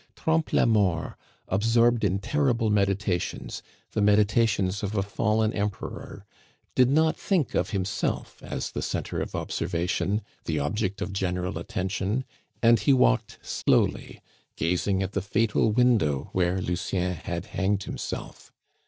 Trompe la Mort, absorbed in terrible meditations, the meditations of a fallen emperor, did not think of himself as the centre of observation, the object of general attention, and he walked slowly, gazing at the fatal window where Lucien had hanged himself.